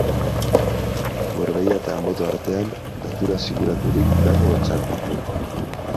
Gorbeia eta Anboto artean, naturaz inguraturik dago Otxandio.